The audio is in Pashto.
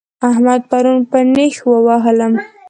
احمد پرون په نېښ ووهلم